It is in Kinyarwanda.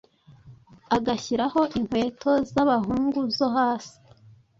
agashyiraho inkweto z’abahungu zo hasi